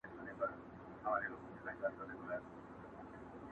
شمعي ته به نه وایې چي مه سوځه،